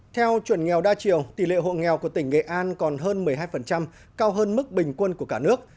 theo chuẩn nghèo đa chiều tỷ lệ hộ nghèo của tỉnh nghệ an còn hơn một mươi hai cao hơn mức bình quân của cả nước